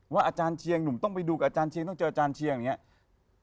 อาจารย์เชียงหนุ่มต้องไปดูกับอาจารย์เชียงต้องเจออาจารย์เชียงอย่างนี้